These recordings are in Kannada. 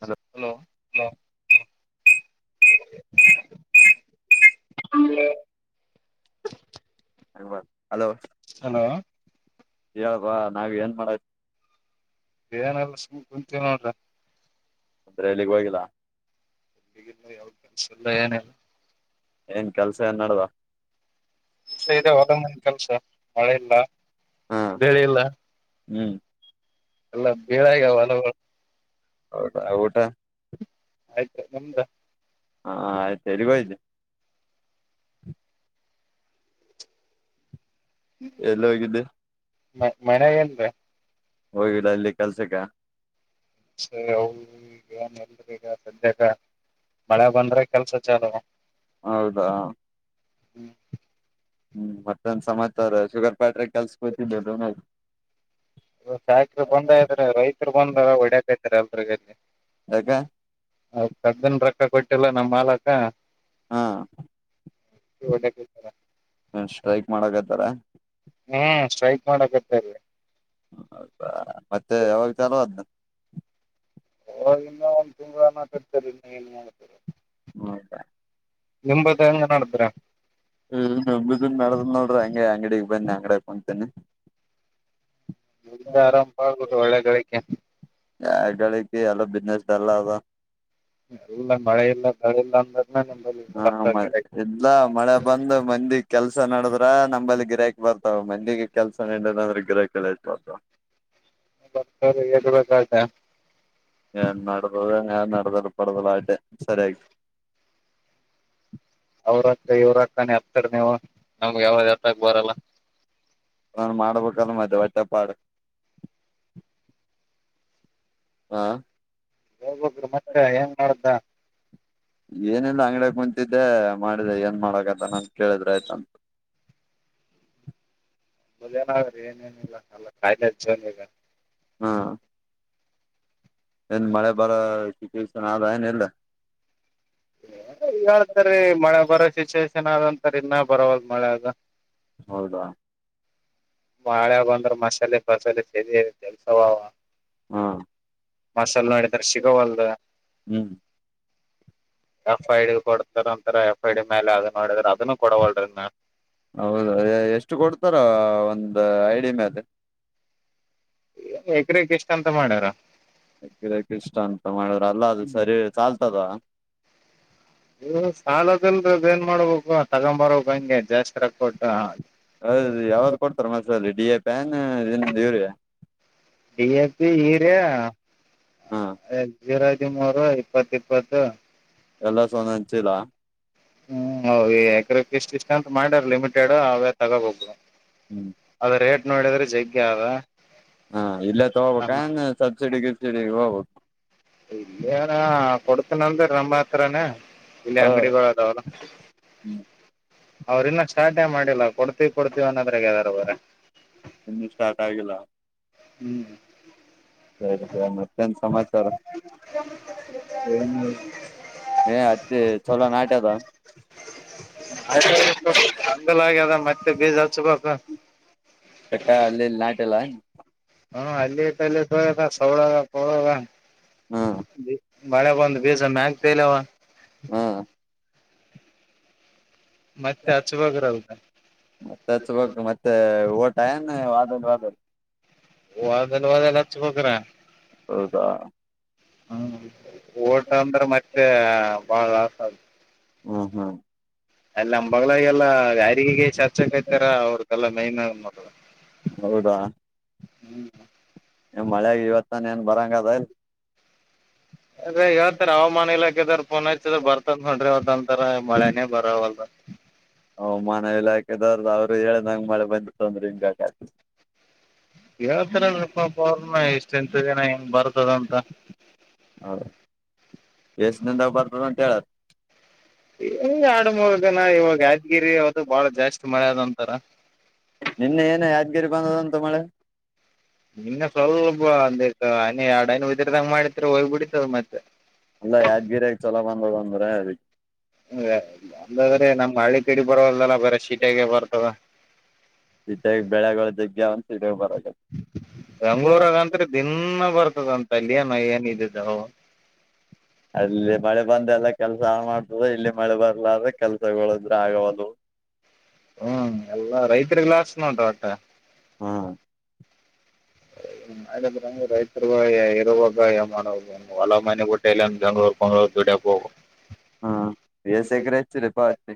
ಹಲೋ. ಹ ಅಲೋ ಹಲೋ ಹೇಳಬ ನಾವ್ ಏನ್ ಮಾಡ. ಏನಲ್ಲ ಸು ಕುಂತವಿ ನೋಡ್ರ. ಅಂದ್ರೆ ಎಲ್ಲಿಗೆ ಹೋಗಿಲ್ಲ. ಗ ಯಾವ್ದ ಕೆಲ್ಸಲ್ಲ ಏನಿಲ್ಲ [inaudible] ಏನ್ ಕೆಲ್ಸ ಏನ್ ನಡವಾ. ಇದೆ ಒದೊಂದ ಕೆಲ್ಸ ಮಳೆ ಇಲ್ಲ ಹ ಬೆಳಿ ಇಲ್ಲ. ಹ್ಮ್. ಎಲ್ಲ ಬೀಳ ಈಗಲ [inaudible] ಹೌದಾ ಊಟ ಆಯ್ತು ನಿಮ್ದ. ಹಾ ಆಯ್ತು ಎಲ್ಲಿಗೋಗಿದೆ. ಎಲ್ಲ ಹೋಗಿದೆ. ಮ ಮನೆ ಎಲ್ರ. ಹೋಗಿಲ್ಲ ಇಲ್ಲಿ ಕೆಲ್ಸಕ್ಕ ಸರಿ ಹ ಈಗನ್ ಎಲ್ ಈಗ ಸಂಜಾಗ [inaudible] ಮಳೆ ಬಂದ್ರೆ ಕೆಲ್ಸ ಚಲ. ಹೌದಾ. ಹ್ಮ. ಹ್ಮ್ ಮತ್ತೊಂದ್ ಸಮಾಚಾರ ಶುಗರ್ ಪ್ಯಾಟ್ರಿ ಕೆಲ್ಸಕೋತಿದ್ದೆ. ಫ್ಯಾಕ್ಟ್ರಿ ಬಂದ ಹ ಯಾಕ [inaudible] ಕದ್ದನ್ ರೊಕ್ಕ ಕೊಟ್ಟಿಲ್ಲ ನಮ ಮಾಲಕ. ಹಾ ಡತರ- ಸರ. ಹ್ಮ್ ಸ್ಟಕ್ ಮಾಡಕತರಿ. ಹೌದಾ ಮತ್ತೆ ಅವಾಗ ಚಲೋ ಅದ. ಹ ಇನ್ನ ಒಂದ್ ತಿಂಗಗಳಾನ ಕಡ್ತರಿ ಇನ್ನು ಏನ್ ಮಾಡತರಿ [inaudible] ಹ್ಮ್ ಸ [unintelligible] ನಿಂಬತ್ತ ಹೆಂಗ ನೋಡಿದ್ರ. ಹ ನನ್ ನಡದ್ ನೋಡ್ರಿ ಹಂಗೆ ಅಂಗಡಗ್ ಬನ್ನಿ ಅಂಗಡಕಂತೇನಿ. ಂದ ಆರಂಭ ಆಗುದು ಒಳ್ಳೆಗಕ್ಕೆ [inaudible] ಎಲ್ಲ ಬಿಸ್ನೆಸ್ಲ್ ಡಲ್ ಅದ. ಇಲ್ಲ ಮಳೆ ಇಲ್ಲ ಮಳೆ ಇಲ್ಲ. ಹಾ ಮ ಎಲ್ಲ ಮಳೆ ಬಂದ ಮಂದಿ. ಕೆಲ್ಸ ನಡದ್ರ ನಂಬಲ್ಲಿ ಗಿರಕ್ ಬರ್ತಾವ ಮಂದಿಗೆ ಕೆಲ್ಸ ನದಿಲ್ಲ ಅಂದ್ರ್ ಗಿರಕ್ಗಳು ಯಾಲ್ ಬರ್ತಾವ. [unintelligible] ಬತ ಆತ- ನಡದದ ನಡದಲ್ಲ ಪಡದಲ್ಲ ಆಟೆ ಸರಿ ಆಯ್ತು. [inaudible] ಅವ್ರಕ್ಕ ಇವ್ರ ಹಕ್ಕಾನ ಹತಡ ನೀವು ನಮ್ಗೆ ಯಾವ್ದ ಹತ್ತಕ್ ಬರಲ್ಲ. ನಾನ್ ಮಾಡ್ಬೇಕಲ್ ಮದೆ ಒಟ್ಟೆ ಪಾಡು. ಹಾ. ಹೇಳ್ಬೇಕ್ರಿ ಮತ್ತೆ ಹೆಏಂಗ ಮಾಡ್ದ. ಏನಿಲ್ಲ ಅಂಗ್ಡ ಕುಂತ. ಇದೇ ಮಾಡಿದೆ ಏನ್ ಮಾಡಕಂತ ನನ್ ಕೇಳಿದ್ರ ಆಯ್ತಂತ. ಮದ್ನ ಆ್ರಏನೇನಿಲ್ಲ ಎಲ್ಲ ಕಾಯಿಲೆ ಜೋನ ಈಗ ಹಾ ಹ್ಮ- ಏನ್ ಮಳೆ ಬರೋ ಸೂಚನೆ ಆದ ಹೇನಿಲ್ಲ. ಈ ಹಳ್ತರಿ ಮಳೆ ಬರೋ ಸಿಚುುವೇೇಶನ್ ಆದಂತರಿ ಇನ್ನ ಬರವಲ್ ಮಳೆ ಅದು. ಹೌದಾ. ಮಾಳೆ ಬಂದ್ರೆ ಮಸಾಲ ಬಸ ಸರಿ ಕೆಲ್ಸವ. ಹ್ಮ ಮಸಾಲ ಮಾಡಡಿದ್ರ ಸಿಗವಲ್ ಹ್ಮ್ ಎಫ್ ಐ ಡಿ ಕೊಡ್ತಾರ ಒಂತರ ಎಫ್ ಐ ಡಿ ಮೇಲೆ ಅದು ನೋಡಿದ್ರ ಅದನ್ನು ಕೊಡವಲ್ರಿ ನ ಹೌದ ಎಷ್ಟು ಕೊಡ್ತಾರ ಒಂದ್ ಐಡಿಯ ಮೇಲೆ ಎಕರೆಕ್ ಎಷ್ಟ ಅಂತ ಮಾಡ್ಯಾರ ಯಾಕ್ಕೆ ಇಷ್ಟ ಅಂತ ಮಾಡುದ್ರ ಅಲ್ಲ ಅದು ಸರಿ ಚಾಲ್ತದವಾ ಇ ಸಾಲದಲ್ದ ಏನ್ ಮಾಡ್ಬೇಕು ತಗೊಂಬರೋಕ್ ಹಂಗೆ ಜಾಸ್ತಿ ರಾಕ್ ಕೊಟ್ಟು ಹೌದು ಯಾವ್ದ್ ಕೊಡ್ತಾರ ಮಸಾಲ ಡಿ ಎ ಪ್ಯಾನ್ ಇನ್ನ ಇವ್ರಿಗೆ ಡಿ ಎ ಪಿ ಹೀರ ಹಾ ಎರಐದಿಮೂರು ಐ ಇಪ್ಪತ್ತು ಇಪ್ಪತ್ತು ಎಲ್ಲ ಸನ ಹಂಚಿಲ್ಲ ಹ್ಮ್ ಹ ಯಕ್ರಪ ಇಷ್ಟ ಇಷ್ಟ ಅಂತ ಮಾಡ್ಯಾರ ಲಿಮಿಟೆಡ್ ಅವೇ ತಗೋ ಹೋಗುದು ಹ್ಮ್ ಅದ ರೇಟ್ ನೋಡಿದ್ರೆ ಜಗ್ಗೆ ಯ ಹಾ ಇಲ್ಲ ತಗೋಬೇಕ ಸಬ್ಸಿಡಿ ಗಿಬ್ಸಿಡಿ ಹೋಗ್ಬೇಕು ಇಲ್ಲಾರ ಕೊಡ್ತನಂದ್ರ ನಮ್ಮ ಹತ್ರಾನ ಇಲ್ಲಿ ಅಂಗಡಿಗಳು ಅದಾವಲ್ಲ ಹ್ಮ್ ಅವ್ರ ಇನ್ನ ಸ್ಟಾರ್ಟೇ ಮಾಡಿಲ್ಲ ಕೊಡ್ತಿೀವಿ ಕೊಡ್ತಿೀವ ಅನ್ನೋದ್ರಾಗ ಯದಾರ ಬ್ರ ಇಂದು ಸ್ಟಾರ್ಟ ಆಲ್ಲ ಹ್ಮ್ [unintelligible] ಸರಿ ಸರಿ ಮತ್ತೆನ್ ಸಮಾಚಾರ ಹ ಅತ್ತ ಚಲೋ ನಾಟ್ಯದ ಂದ ಆ ಅದ ಮತ್ತೆ ಬೀಜುಪಪ [unintelligible] ಕ ಅಲ್ಲಿ ನಾಟ್ಯಲ್ಲ ತೌಳ ಕೌಳಗ ಹ್ಮ್ ಮಳೆಗ ಒಂದು ಬೀಜ ಮ ಆಗ್ತಲವ [unintelligible] ಹ್ಮ ಮತ್ತೆ ಹಚ್ವಾಗ್ರೌದಾ ಮತ್ತೆ ಹಚ್ಬಕ್ ಮತ್ತೆ ಓಟ ನ್ ವಾದದ ವಾದದ ವದಲ್ ವದಲ್ಲಾಚ್ಚು ಪೋಕರ ಹೌದಾ ಹ್ಮ್ ಓಟ ಅಂದ್ರೆ ಮತ್ತೆ ಬಾಳ ಲಾಸ್ ಆ ಹ್ಮ್ ಹ್ಮ್ ಅಲ್ಲ ಅಂಬಗಳಗೆಲ್ಲ ಯಾರಿಗೆಗೆ ಚರ್ಚಕಯ್ತಾರ ಅವ್ರಗೆಲ್ಲ ಮೈನ್ ನೋಡ ಹೌದಾ ಹ್ಮ್ [unintelligible] ಮಳ್ಯಾಗ ಇವತ್ತಾನ ಏನ್ ಬರಂಗ ಅದ ಇಲ್ ಅದ ಇವತ್ತರ ಹವಾಮಾನ ಇಲಾಖೆದಾರ ಪೋನ್ ಹಚ್ಚಿದ್ರ ಬರ್ತಂದ್ ನೋಡ್ರಿ ಅವತ್ತಂತರ ಮಳೆನೇ ಬರವಲ್ವ ಎದರ್ದ ಅವ್ರು ಹೇಳ ನಂಗ ಮಳೆ ಬಂದ ತಂದ್ರೆ ಹಿಂಗ [unintelligible] ಹೇಳ್ತಾರಪಪ ಅವ್ರನ ಎಷ್ಟ ಎಂತ ದಿನ ಹೆಂಗ್ ಬರ್ತದಂತ ಎಸ್ ನಂದಬಾರ ಪ್ರಮಂತಳ ಈ ಆಡು ಮಗನ ಇವಾಗ ಯಾದಗಿರಿ ಅವತ್ತು ಬಾಳ ಜಾಸ್ತಿ ಮಳೆ ಆದದಂತಾರ ನಿನ್ನೆ ಏನು ಯಾದ್ಗಿರಿ ಬಂದದಂತು ಮಳೆ ನಿನ್ನ ಸ್ವಲ್ಪ ಒಂದ ಹನಿ ಎರಡುನ ಉದರ್ದಂಗ ಮಾಡಿತ್್ರ ಹೋಗ್ಬ ಬಿಡಿತದ ಮತ್ತೆ ಅಲ್ಲ ಯಾದ್ಗಿರಿಯಾಗಿ ಚಲ ಬಂದದ ಅಂದ್ರೆ ಅದಕ್ಕೆ ಅಲ್ಲಾದ್ರೆ ನಮ್ ಹಳ್ಳಿ ಕಡಿ ಬರದಲ್ಲ ಬೇರೆ ಶೀಟೆಗೆ ಬರ್ತದ ಇ ಬೆಳೆಗಳು ಜಗ್ಗೆ ಒನ್ ಬರ ಬೆಂಗಳೂರಾಗಂತ್ರ ದಿನ ಬರ್ತದಂತ ಅಲ್ಲಿಯ ನ ಏನ್ ಇದಿದ್ದ ಅಲ್ಲಿ ಮಳೆ ಬಂದೆ ಎಲ್ಲ ಕೆಲ್ಸ ಮಾಡ್ ಇಲ್ಲಿ ಮಳೆ ಬರ್ಲಾದ್ರೆ ಕೆಲ್ಸಗಳು ಇದ್ರೆ ಆಗವದು ಹ್ಮ್ ಎಲ್ಲಾ ರೈತರಿಗ್ ಲಾಕ್ ನೋಂಟ್ರ ಹೊಟ್ಟ ಹಾ [inaudible] ರೈತರು ಇರುವಾಗ ಮಾಡ ಹೊಲ ಮನೆ ಬುಟ್ಟೆ ಇಲ್ಲಂದ ಬೆಂಗಗಳೂರು ಕ್ಗಳೂರು ದು [inaudible] ಹಾ ಎಸ್ ಎಗ್ರ ಇತ ರ ಪತ್ರಿ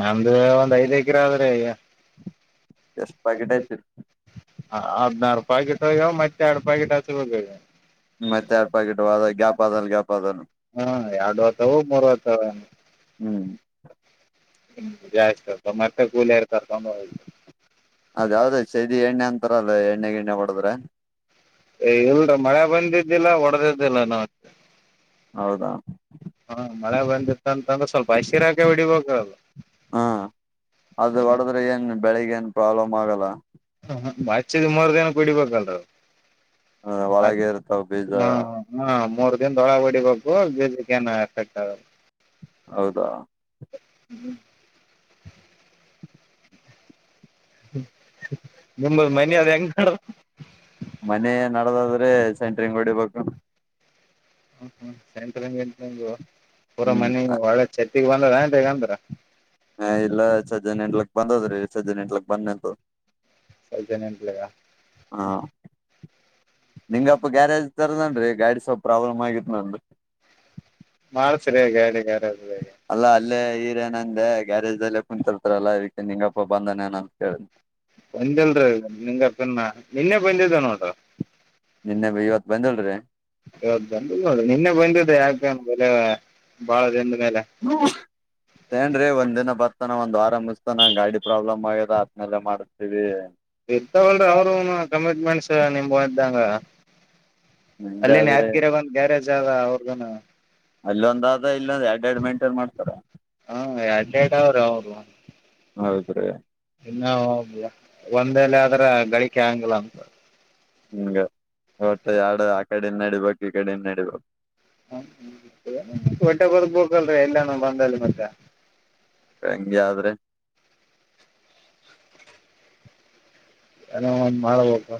ನಮ್ದ ಒಂದ್ ಐದ್ ಎಕರ ಆದ್ರೆ ಷ್ಟ ಬಾಗಿಟ ಹ ಹದ್ನಾರು ಪಾಕೆಟ್ ಹಗೆಯಾವ ಮತ್ತೆ ಎರಡು ಪ್ಯಾಕೆಟ್ ಹಸರುೋಗ ಮತ್ತೆ ಆಾರ್ ಪ್ಯಾ [unintelligible] ಗ ಗ್ಯಾಪ್ ಅ ಆದ ಹಾ ಎರಡು ವತ ಹ ಮೂರು ವತ ಅವನು ಹ್ಮ್. ಹ್ಮ ಜಾಸ್ತಿ ಅ ಮತ್ತೆ ಕೂಳ ಇರ್ತಾರ ತೊಂಡ. ಅದ್ ಯಾವ್ದದ್ ಚದಿ ಎಣ್ಣೆ ಅಂತಾರಲ್ಲ ಎಣ್ಣೆ ಗಿಣ್ಣೆ ಹೊಡದ್ರಾ. ಇಲ್ರ ಮಳೆ ಬಂದಿದ್ದಿಲ್ಲ ಹೊಡೆದಿದ್ದಿಲ್ಲ ನಾ. ಹೌದಾ. ಹ್ಮ ಮಳೆ ಬಂದಿತ್ತಂತಂದ್ರೆ ಸ್ವಲ್ಪ ಹಸಿರಾಕೆ ಹೊಡಿಬೇಕದು. ಹಾ ಅದು ಹೊಡೆದ್ರೆ ಏನ್ ಬೆಳಿಗ್ ಏನ್ ಪ್ರಾಬ್ಲಮ್ ಆಗಲ್ಲ. ಮಚದ ಮೂರ್ ದಿನಕ್ಕೆ ಹೂಡಿಬೇಕಲ್ರ. ಅ ಒಳಗೆ ಇರ್ತಾವ ಬೀಜ ಹಾ ಹಾ. ಮೂರು ದಿನ ದವಳಗ್ ಹೊಡಿಬೇಕ ಬಿಜಕ ಏನು ಎಫೆಕ್ಟ್ ಆಗಲ್ಲ. ಹೌದಾ. [inaudible] ನಿಮದು ಮನ ಅದ ಹೆಂಗ. ಅದೇ ಸೆಂಟ್ರಿಂಗ್ ಹೊಡಿಬೇಕು. [unintelligible] ಹ್ಮ್ [unintelligible] ಹ ಇಲ್ಲ ಸಜ್ಜನೆೆಂಟ್ಲಕ್ ಬಂದದ್ರಿ ಸಜ್ಜ ಹೆಂಟ್ಲಕ್ ಬಂದೆಂತು. ಪೈಸ ನಿೆಂಟಲೆಗ. ಹಾ ನಿಂಗಪ್ಪ ಗ್ಯಾರೇಜ್ ತರದೇನ ಗಾಡಿ ಸ್ವಲ್ಪ್ ಪ್ರಾಬ್ಲಮ್ ಆಗಿತ್ ನನ್ರಿ. ಮಾಡ್ಸ್ರಿ ಗಾಡಿ ಅಲ್ಲ ಗ್ಯಾರೇಜ್ದಾಗ ಅಲ್ಲೇ ಹೀರೇನಂದೆ ಗ್ಯಾರೇಜ್ ಅಲ್ಲ. ಕು ತರ್ತರಲ್ಲಕ್ಕೆ ನಿಂಗಪ್ಪ ಬಂದಾನ ಏನೋ ಅನ್ ಕೇಳಿ. ಬಂದಲ್ರೀ ನಿನ್ ಅರ್ತನ ನಿನ್ನೆ ಬಂದಿದ್ದ ನೋಡ್ರಿ. ನಿನ್ನೆ ಇವತ್ ಬಂದಿಲ್ರಿ. ಇವತ್ತ ಬಂದಿಲ್ಲ ನೋಡ್ರಿ ನಿನ್ನೆ ಬಂದಿದೆ ಯಾಕ ಬಾಳ ಮೇಲೆ ಏನ್ ರೀ ಒಂದ್ ದಿನ ಬರ್ತಾನ ಒಂದ್ ಆರಂಭಿಸ್ತಾನ ಗಾಡಿ ಪ್ರಾಬ್ಲಮ್ ಆಗ ರಾತ್ನೆಲ್ಲ ಮಾಡತೀವಿ. ಇರ್ತಅಲರಿ ಅವರು ಕಮಿಟ್ಮೆಂಟ್ಸ್ ನಿಮ ಇದ್ದಂಗ. ಹಿಂಗ ಅಲ್ಲಿನ ಆದ್ರೆ ಯಾದ್ಗಿರ ಬಂದ್ ಗ್ಯಾರೇಜ್ ಆಗ ಅವರ್ಗನು. ಅಲ್ಲೊಂದಾದ ಇಲ್ಲೊಂದ್ ಎರಡ್ ಎರಡ್ ಮೇಂಟೈನ್ ಮಾಡ್ತಾರ ಹಾ ಎಡ್ ಎರಡು ಅದಾವ ಅವರು. ಹೌದ್ರೀ. ಇನ್ನು ಹೋಗ ಒಂದಲ್ಲಿ ಆದ್ರ ಗಳಿಕೆ ಆಂಗಿಲ್ಲ. ಹಂಗ ಹೊಟ್ಟ ಎಡು ಆ ಕಡೆ ಇಂದ ನಡಿಬೇಕಕ್ ಈ ಕಡ ಇಿಂದ ನಡಿಬೇಕು. ಹ ಹೊಟ್ಟೆ ಬರ್ಬೇಕಲ್ರಿ ಎಲ್ಲಾನೂ ಬಂದಲ್ಲಿ ಮತ್ತೆ. ಹಂಗೆ ಆದ್ರೆ. ಏನೋ ಒಂದ ಮಾಡ್ಬೇಕು.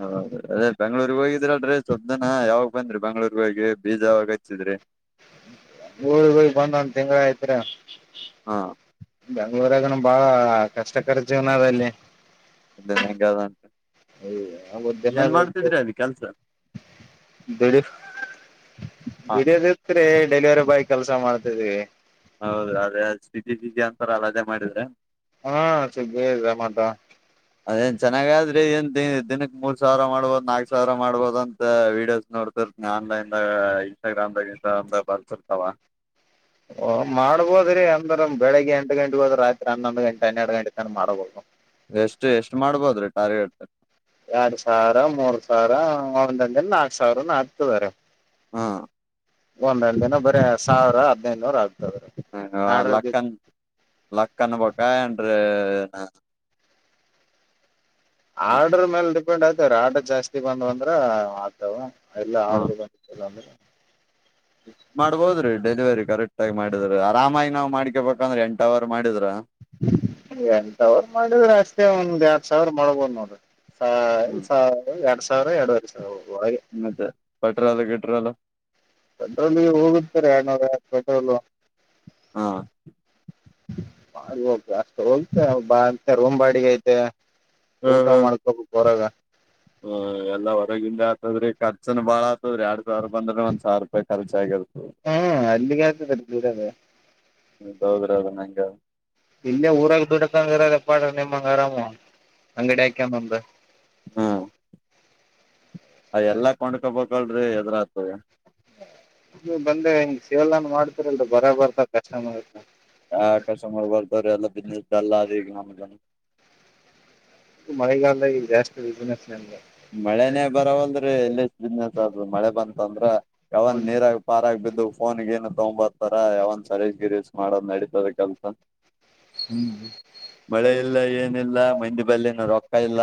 ಹೌದ ಅದೇ ಬೆಂಗ್ಳೂರ್ಗ್ ಹೋಗಿದ್ರಲ್ರೀ ಸುದ್ದನ ಯಾವಾಗ ಬಂದ್ರಿ ಬೆಂಗ್ಳೂರ್ಗ ಹೋಗಿ. ಬೀಜಾವಾಗ ಹಚ್ಚಿದ್ರೆ. ಊರಿಗೆ ಹೋಗಿ ಬಂದ ಒಂದ ತಿಂಗಳ ಆಯ್ತ್ರ. ಹಾ ಬೆಂಗ್ಳೂರ್ದನ ಬಾಳ ಕಷ್ಟಕರ ಜೀವನ ಅಲ್ಲಿ. [unintelligible] ಏನ್ ಮಾಡ್ತಿದ್ರಿ ಅದ್ ಕೆಲ್ಸ [unintelligible] ಹ ಬಿಡಿಯೋದಿತ್ ಡೆಲಿವರಿ ಬಾಯ್ ಕೆಲ್ಸ ಮಾಡ್ತಿದ್ವಿ. ಹೌದ ಅದೇ ಸ್ಥತಿ ದತಿ ಅಂತಾರ ಅಲ್ಲದೇ ಮಾಡಿದ್ರೆ. [unintelligible] ಅದೇನ್ ಚೆನ್ನಾಗ ಆದ್ರಿ ಏನ್ ದಿನಕ್ ಮೂರ್ ಸಾವಿರ ಮಾಡ್ಬೋದು ನಾಲ್ಕ್ ಸಾವಿರ ಮಾಡ್ಬೋದ ಅಂತ. ವೀಡಿಯೋಸ್ ನೋಡ್ತಿರ್ತನ ಆನ್ಲೈನ್ದಾಗ ಇನ್ಸ್ಟಾಗ್ರಾಮ್ ದಾಗ ಬರ್ತಿರ್ತಾವ. ಮಾಡ್ಬೋದ್ರಿ ಅಂದ್ರ ಬೆಳಿಗ್ಗೆ ಎಂಟು ಗಂಟೆಗೆ ಹೋದ್ರ ರಾತ್ರಿ ಹನ್ನೊಂದು ಗಂಟೆ ಹನ್ನೆರಡು ಗಂಟ ತಾನ ಮಾಡಬೇಕ. ಎಷ್ಟು ಎಷ್ಟ್ ಮಾಡ್ಬೋದ್ರಿ ಟಾರ್ಗೆಟ್. ಎರಡ್ ಸಾವಿರ ಮೂರ್ ಸಾವಿರ ಒಂದ ನಾಕು ಸಾವಿರ ಹತದಾರೆ. ಹಾ. ಒಂದೆರಡು ದಿನ ಬರೀ ಸಾವಿರ ಹದ್ನೈದುನೂರ ಆಗ್ ಹ -ಲಕ್ಕನ್ ಲಕ್ಕನ್ ಬ [unintelligible] ಎನ್ ಆರ್ಡ್ರ ಮೇಲೆ ಡಿಪೆಂಡ್ ಆಯ್ತವ ರ ಆರ್ಡರ್ ಜಾಸ್ತಿ ಬಂದ್ ಅಂದ್ರ ಆಗ್ತಾವ. ಎಲ್ಲ ಆ್ರರು ಬಂದತ್ತಲ್ಲ ಅಂದ್ರೆ ಮಾಡ್ಬೋದ್ರೀ ಡೆಲಿವರಿ ಕರೆಕ್ಟ್ ಆಗಿ ಮಾಡಿದ್ರಿ ಆರಾಮಾಗಿ ನಾವ್ ಮಾಡ್ಕ ಬ ಯಾಕಂದ್ರ ಎಂಟ ಅವರ್ ಮಾಡಿದ್ರ ಎಂಟಾವರ್ ಮಾಡಿದ್ರೆ ಅಷ್ಟೇ ಒಂದ್ ಎಡ್ ಸಾವಿರ ಮಾಡ್ಬೋದ ನೋಡ್ರಿ ಹ್ಮ್ ಸಾವ ಎರಡ್ ಸಾವಿರ ಎರಡವರೆ ಸಾವಿರ ಒಳಗೆ ಮತ್ತೆ ಪೆಟ್ರೋಲ್ ಗಿಟ್ರೋಲ್ ಪೆಟ್ರೋಲ್ ಹೋಗತಾರೆ ಎರಡ್ನೂರ ಪೆಟ್ರೋಲ್ ಮಾಡ ಹಾ ಹ ಗಸ್ತಗ [unintelligible] ಬಾ ರೂಮ್ ಬಾಡಿಗೆ ಐತೆ ಊಟ ಮಾಡ್ಕೋಕ್ ಹೊರಾಗ ಹ ಎಲ್ಲಾ ಹೊರಗಿಂದ ಆತದ್ರೀ ಖರ್ಚನ ಬಾಳ ಆತದ್ರರಿ ಎರಡ್ ಸಾವಿರ ಬಂದ್ರೆ ಒಂದ್ ಸಾವಿ ರೂಪಾಯಿ ಖರ್ಚ ಆಗಲ್ ಹ್ಮ್ ಅಲ್ಲಿಗೆ ಆಗ್ತದ ದುಡದ ಹೌದ್ರದ ನಂಗ [unintelligible] ಇಲ್ಲೇ ಊರಾಗ ದುಡಕಂಗ ಇರೋದ ಪಾಡ್ರ ನಿಮ್ಮಂಗಗೆ ಆರಾಮ ಅಂಗಡಿ ಆಕ ಮಂಬ ಹ್ಮ್ [unintelligible] ಅ ಎಲ್ಲಾ ಕೊಂಡ್ಕೊ ಬೇಕಲ್ರಿ ಎದುರಾತದ ಬಂದೆ ಹಂಗಗೆ ಸೇವೆಲ್ಲ ಮಾಡ ಬರಬರ್ದ ಕಷ್ಟ ಮಾಡ ಬಿಜನೆಸ್ ಚಲ ರ ಗಾಮ ಗ [unintelligible] ಮಳೆಗಾಲದ ಜಾಸ್ತಿ [unintelligible] ಮಳೆನೇ ಬರೋವಲ್ರಿ ಎಲ್ಲಿ ಬಿಸ್ನೆಸ್ ಆತದ ಮಳೆ ಬಂತಂದ್ರ ಯಾವ ನೀರಾಗ ಪಾರಾಗ ಬಿದ್ದು ಫೋನ್ ಗಿನ್ ತೊಂಬತ್ತರ ಯಾವಂದ ಸರೀಸ್ ಗಿರೀಶ್ ಮಾಡೋದ್ ನಡೀತದೆ ಕೆಲ್ಸ ಹ್ಮ್ ಮಳೆ ಇಲ್ಲ ಏನಿಲ್ಲ ಮಂದಿ ಬಲ್ಲಿನ ರೊಕ್ಕ ಇಲ್ಲ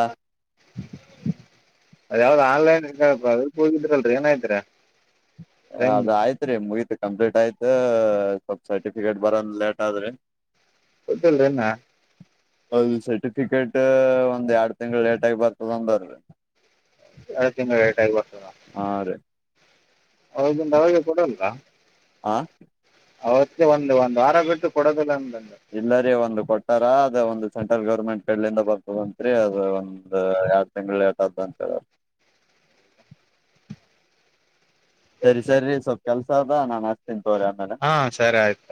ಅದ ಯಾವ್ದ್ ಆನ್ಲೈನ್ ಅ ಹೋಗಿದ್ರಲ್ರರಿ ಏನಾಯತಿರ [unintelligible] ಅದ ಆಯ್ತ್ ರಿ ಮುಗಿತ್ ಕಂಪ್ಲೀಟ್ ಆಯ್ತ ಸ್ವಲ್ಪ ಸರ್ಟಿಫಿಕೇಟ್ ಬರಂದ ಲೇಟ್ ಆದ್ರಿ ದ್ದಲ್ರ ನ್ನ [unintelligible] ಹೌದು ಸರ್ಟಿಫಿಕೇಟ್ ಒಂದ್ ಎರಡ್ ತಿಂಗಳು ಲೇಟ್ ಆಗಿ ಬರ್ತದ ಅಂದ್ರ ಎರಡು ತಿಂಗಳ ಲೇಟಾಗಿ ಬರ್ತದ ಹಾ ರೀ ಅವಗ ಅವಿಗೆ ಕೊಡಲ್ಲ ಹ ಅವತ್ತ ಒಂದು ಒಂದು ವಾರ ಬಿಟ್ಟ ಕೊಡೋದಲ್ಲ ಅಂದ ಇಲ್ಲರಿ ಒಂದು ಕೊಟ್ಟಾರ ಅದ ಒಂದು ಸೆಂಟ್ರಲ್ ಗೌರ್ಮೆಂಟ್ ಲಿಂದ ಬರ್ತ ಬಂತತ್ರಿ ಅದ ಒಂದು ಎರಡು ತಿಂಗಳ ಲೇಟಾಯ್ತು ಅಂತ ಎಳೆಯರು ಸರಿ ಸರಿ ಸ್ವಲ್ಪ್ ಕೆಲ್ಸ ಅದ ನಾನ್ ಆಚ್ತೀನ ತವ್ರಿ ಆಮೇಲೆ [unintelligible] ಹಾ ಸರಿ ಆಯ್ತು